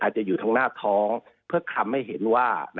จะอยู่ทางหน้าท้องเพื่อทำให้เห็นว่า